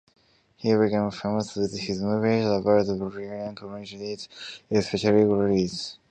He became famous with his movies about Bulgarian Communists, especially guerrillas.